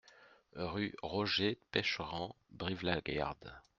Rue Roger Pecheyrand, Brive-la-Gaillarde